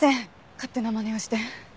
勝手なまねをして。